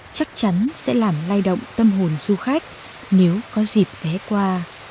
chắc chắn sẽ làm lay động tâm hồn du khách nếu có dịp ghé qua